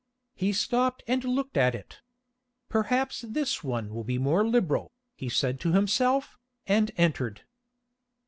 He stopped and looked at it. "Perhaps this one will be more liberal," he said to himself, and entered.